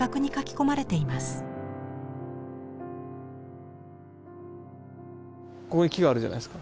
ここに木があるじゃないですか。